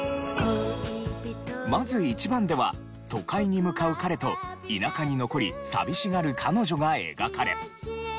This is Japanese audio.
まず１番では都会に向かう彼と田舎に残り寂しがる彼女が描かれ。